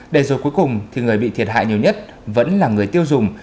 để rồi cuối cùng thì người bị thiệt hại nhiều nhất vẫn là người tiêu dùng